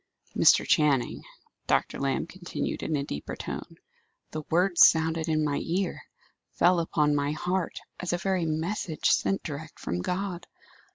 "Mr. Channing," Dr. Lamb continued in a deeper tone, "the words sounded in my ear, fell upon my heart, as a very message sent direct from God.